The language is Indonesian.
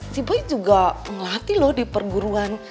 si boi juga ngelatih loh di perguruan